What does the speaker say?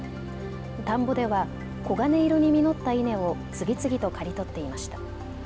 田んぼでは黄金色に実った稲を次々と刈り取っていました。